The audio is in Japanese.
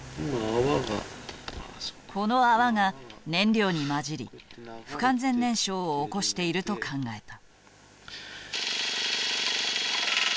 この泡が燃料に混じり不完全燃焼を起こしていると考えた。